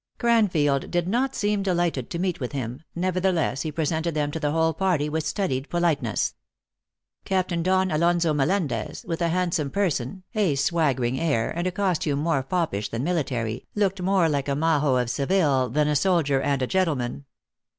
Cranfield did not seem de lighted to meet with him, nevertheless he presented them to the whole party with studied politeness. Captain Don Alonzo Melendez, with a handsome per son, a swaggering air, and a costume more foppish than military, looked more like a mqjo of Seville than a soldier and a gentleman.